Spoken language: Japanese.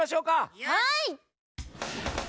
はい！